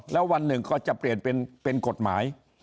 แล้ววันหนึ่งก็จะเปลี่ยนเป็นกฎหมาย